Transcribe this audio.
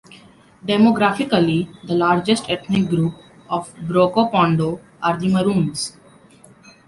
Demographically, the largest ethnic group of Brokopondo are the Maroons.